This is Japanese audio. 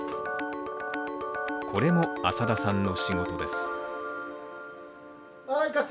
これも浅田さんの仕事です。